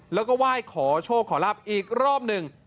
แล้วก็ไหว้ขอโชคขอรับอีกรอบหนึ่ง